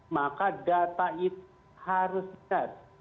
maka data itu harus dites